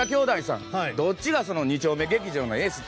どっちが２丁目劇場のエース